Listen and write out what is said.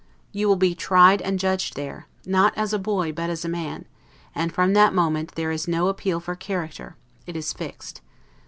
You will be tried and judged there, not as a boy, but as a man; and from that moment there is no appeal for character; it is fixed.